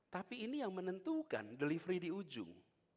tapi ini yang menentukan delivery di ujung